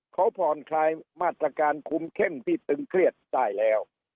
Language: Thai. เขาผ่อนคลายมาตรการคุมเข้มที่ตึงเครียดได้แล้ว